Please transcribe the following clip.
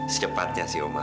secepatnya sih oma